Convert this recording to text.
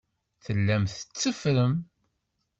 Tellam tetteffrem.